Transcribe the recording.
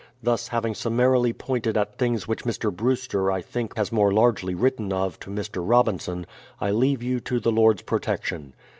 Thus having summarily pointed at things which Mr. Brewster I think has more largely written of to Mr. Robinson, I leave you to the Lord's protection.